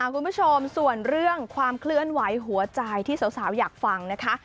คุณผู้ชมส่วนเรื่องความเคลื่อนไหวหัวใจที่สาวอยากฟังนะคะ